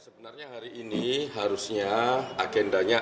sebenarnya hari ini harusnya agendanya